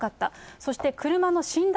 そして車の診断